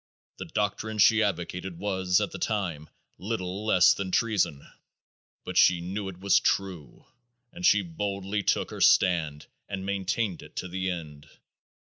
The doctrine she advocated was at that time little less than treason, but she knew it was true, and she boldly took her stand and maintained it to the end.